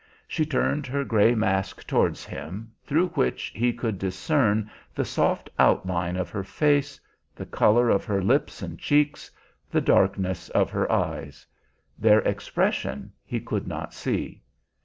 She turned her gray mask towards him, through which he could discern the soft outline of her face, the color of her lips and cheeks, the darkness of her eyes; their expression he could not see.